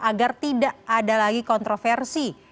agar tidak ada lagi kontroversi